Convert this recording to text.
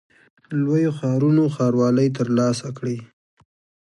لویو ښارونو ښاروالۍ ترلاسه کړې.